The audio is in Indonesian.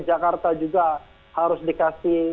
jakarta juga harus dikasih